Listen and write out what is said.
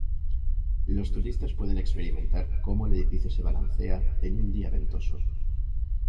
Los turistas pueden experimentar cómo el edificio se balancea en un día ventoso.